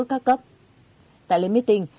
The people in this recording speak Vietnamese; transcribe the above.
các cấp tại lễ miết tình